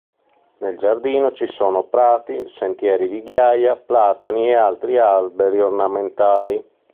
Nel giardino ci sono prati, sentieri di ghiaia, platani e altri alberi ornamentali.